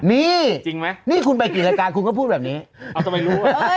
นี่นี่คุณไปกี่รายการคุณก็พูดแบบนี้เอาต่อไปรู้